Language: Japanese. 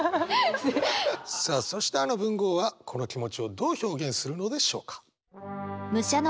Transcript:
さあそしてあの文豪はこの気持ちをどう表現するのでしょうか？